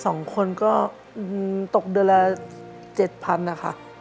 สองคนก็ตกเดือนละ๗๐๐๐บาทค่ะ